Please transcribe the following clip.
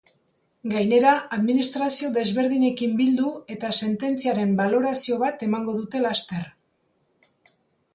Gainera, administrazio desberdinekin bildu eta sententziaren balorazio bat emango dute laster.